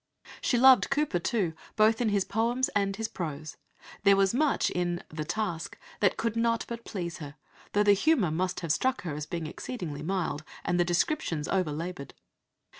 She loved Cowper too, both in his poems and his prose. There was much in The Task that could not but please her, though the humour must have struck her as being exceedingly mild, and the descriptions over laboured.